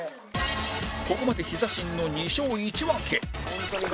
ここまでヒザ神の２勝１分け